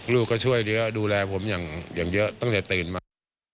ลูกก็ช่วยเยอะดูแลผมอย่างเยอะตั้งแต่ตื่นมา